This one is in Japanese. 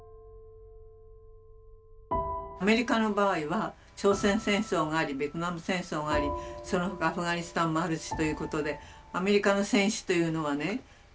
アメリカの場合は朝鮮戦争がありベトナム戦争がありその他アフガニスタンもあるしということでアメリカの戦死というのはね